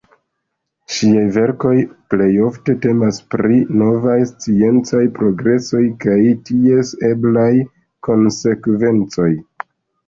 Ŝiaj verkoj plejofte temas pri novaj sciencaj progresoj kaj ties eblaj konsekvencoj.